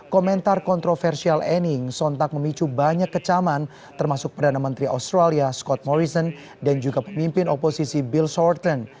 komentar kontroversial anning sontak memicu banyak kecaman termasuk perdana menteri australia scott morrison dan juga pemimpin oposisi bill shorton